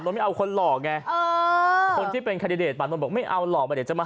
เราไม่เอาคนหล่อไงเออคนที่เป็นปากเราบอกไม่เอาหล่อมาเดี๋ยวจะมา